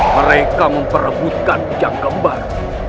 mereka memperebutkan ujang kembar